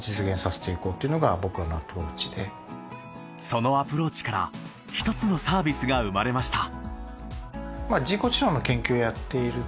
そのアプローチから一つのサービスが生まれました